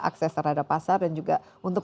akses terhadap pasar dan juga untuk